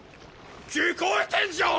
聞こえてんじゃん！